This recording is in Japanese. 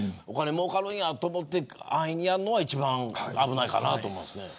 もうかると思って安易にやるのは一番危ないかなと思います。